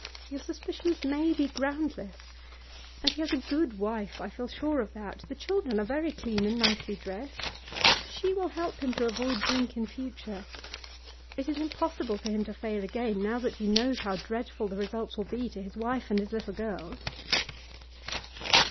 Your suspicions may be groundless. And he has a good wife, I feel sure of that. The children are very clean and nicely dressed. She will help him to avoid drink in future. It is impossible for him to fail again, now that he knows how dreadful the results will be to his wife and his little girls.